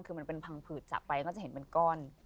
คือมันเป็นพังผืดจากไปก็จะเห็นเป็นก้อน